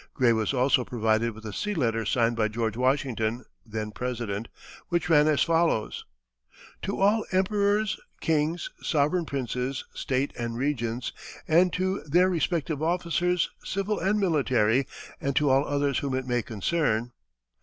Gray was also provided with a sea letter signed by George Washington, then President, which ran as follows: "To all Emperors, Kings, Sovereign princes, State and Regents and to their respective officers, civil and military and to all others whom it may concern.